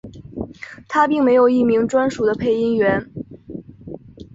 它并没有一名专属的配音员。